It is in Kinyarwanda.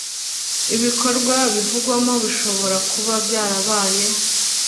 ibikorwa bivugwamo bishobora kuba byarabaye